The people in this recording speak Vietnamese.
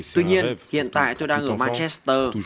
tuy nhiên hiện tại tôi đang ở manchester